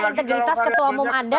integritas ketua umum anda